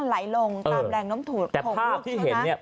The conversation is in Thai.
ตามแรงน้ำถูกของลูกใช่ไหม